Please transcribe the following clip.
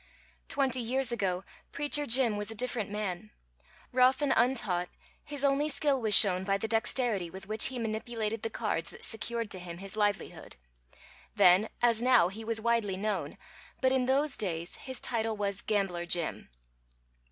Twenty years ago Preacher Jim was a different man. Rough and untaught, his only skill was shown by the dexterity with which he manipulated the cards that secured to him his livelihood. Then, as now, he was widely known, but in those days his title was "Gambler Jim."